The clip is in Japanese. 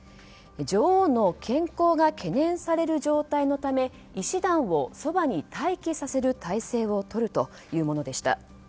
女王の健康が懸念される状態のため医師団をそばに待機させる体制をとるというものでした。